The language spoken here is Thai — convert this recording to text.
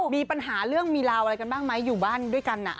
มีปัญหาเรื่องมีราวอะไรกันบ้างไหมอยู่บ้านด้วยกัน